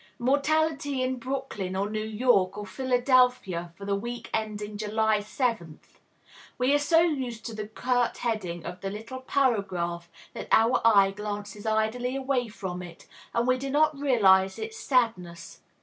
"Mortality in Brooklyn, or New York, or Philadelphia for the week ending July 7th." We are so used to the curt heading of the little paragraph that our eye glances idly away from it, and we do not realize its sadness.